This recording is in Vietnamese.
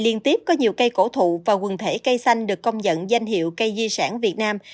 liên tiếp có nhiều cây cổ thụ và quần thể cây xanh được công nhận danh hiệu cây di sản việt nam